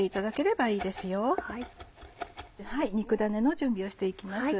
はい肉ダネの準備をして行きます。